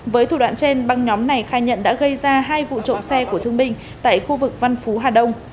với thủ đoạn trên băng nhóm này khai nhận đã gây ra hai vụ trộm xe của thương binh tại khu vực văn phú hà đông